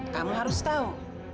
kamu harus tahu